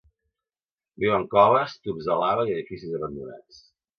Viu en coves, tubs de lava i edificis abandonats.